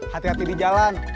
hati hati di jalan